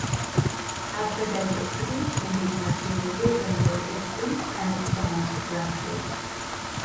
Alpha diversity can be calculated in both extinct and extant landscapes.